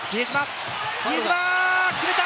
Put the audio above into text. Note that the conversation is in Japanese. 比江島、決めた！